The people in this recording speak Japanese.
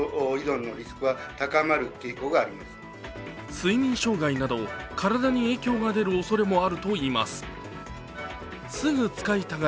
睡眠障害など体に影響が出るおそれもあるといいます。